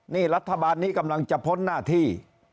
นี่รัฐบาลนี้กำลังจะพ้นหน้าที่